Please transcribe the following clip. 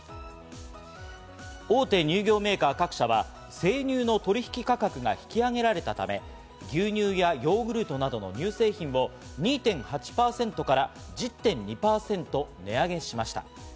大手乳業メーカー各社は生乳の取引価格が引き上げられたため、牛乳やヨーグルトなどの乳製品を２．８％から１０．２％値上げしました。